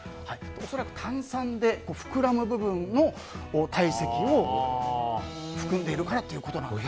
恐らく炭酸で膨らむ部分の体積を含んでいるということなのかなと。